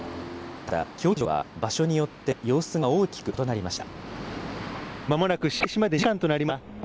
ただ、競技会場は場所によって様子が大きく異なりました。